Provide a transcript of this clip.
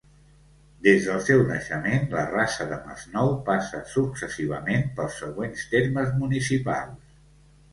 Des del seu naixement, la rasa de Masnou passa successivament pels següents termes municipals.